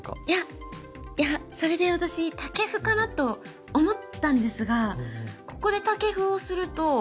いやそれで私タケフかなと思ったんですがここでタケフをすると。